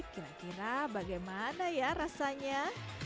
kira kira bagaimana ya rasanya